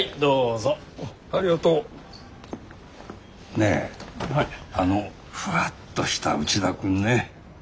ねえあのフワッとした内田君ね